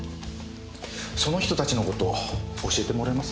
その人たちの事教えてもらえます？